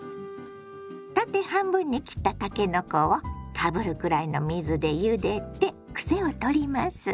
縦半分に切ったたけのこをかぶるくらいの水でゆでてクセを取ります。